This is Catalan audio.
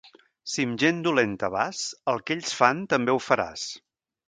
Si amb gent dolenta vas, el que ells fan també ho faràs.